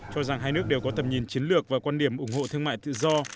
cho rằng hai nước đều có tầm nhìn chiến lược và quan điểm ủng hộ thương mại tự do